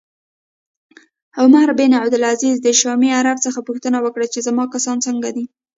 عمر بن عبدالعزیز د شامي عرب څخه پوښتنه وکړه چې زما کسان څنګه دي